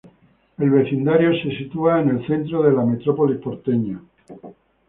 El vecindario se ubica en el centro de la metrópolis porteña.